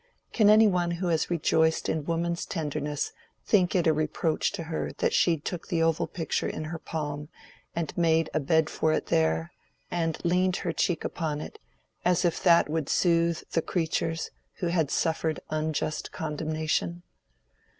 Can any one who has rejoiced in woman's tenderness think it a reproach to her that she took the little oval picture in her palm and made a bed for it there, and leaned her cheek upon it, as if that would soothe the creatures who had suffered unjust condemnation?